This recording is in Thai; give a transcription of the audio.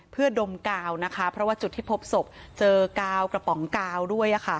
เพื่อดมกาวนะคะเพราะว่าจุดที่พบศพเจอกาวกระป๋องกาวด้วย